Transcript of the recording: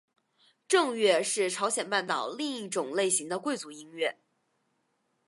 正乐是朝鲜半岛另一种类型的贵族音乐。